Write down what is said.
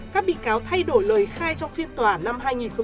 các bị cáo thay đổi lời khai trong phiên tòa năm hai nghìn hai mươi hai